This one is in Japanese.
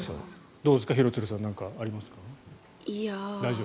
どうですか、廣津留さん何かありますか。